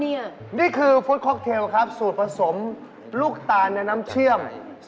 นี่คือฟุตค็อกเทลครับสูตรผสมลูกตาลในน้ำเชื่อม